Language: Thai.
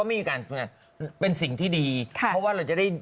โอเคนะคุณแม่นะ